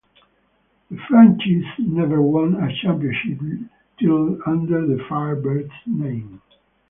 The franchise never won a championship title under the Firebirds name.